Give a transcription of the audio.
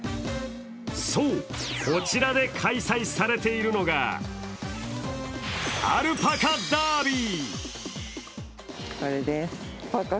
そう、こちらで開催されているのが、アルパカダービー。